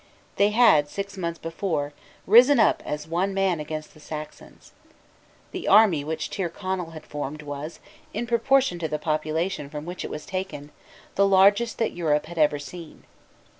They had, six months before, risen up as one man against the Saxons. The army which Tyrconnel had formed was, in proportion to the population from which it was taken, the largest that Europe had ever seen.